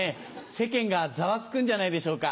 世間がざわつくんじゃないでしょうか。